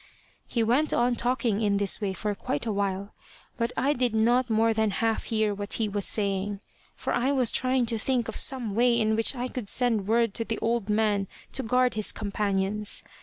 He went on talking in this way for quite a while, but I did not more than half hear what he was saying, for I was trying to think of some way in which I could send word to the old man to guard his companions.